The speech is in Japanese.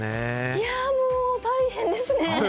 いや、もう大変ですね。